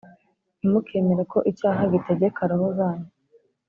ntimukemere ko icyaha gitegeka roho zanyu